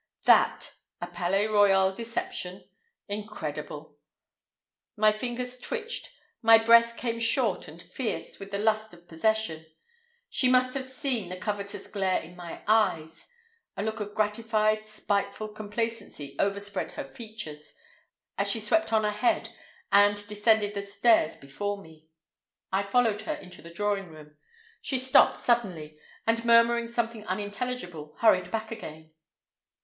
That a Palais Royal deception! Incredible! My fingers twitched, my breath came short and fierce with the lust of possession. She must have seen the covetous glare in my eyes. A look of gratified spiteful complacency overspread her features, as she swept on ahead and descended the stairs before me. I followed her to the drawing room door. She stopped suddenly, and murmuring something unintelligible hurried back again.